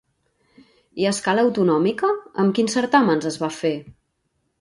I a escala autonòmica, amb quins certàmens es va fer?